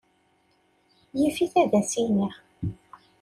Yif-it ad as-iniɣ.